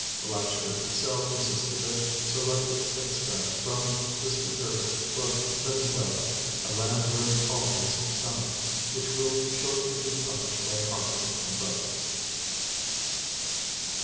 The lecture itself consisted of se lected extracts from Mr Curtis' book, "V'enezuela: A Land Where it's Always Sum mer," which will shortly be published by Harper k Brothers.